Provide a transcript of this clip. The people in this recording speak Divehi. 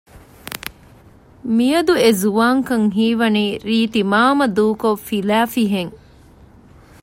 މިއަދު އެ ޒުވާންކަން ހީވަނީ ރީތިމާމަ ދޫކޮށް ފިލައިފިހެން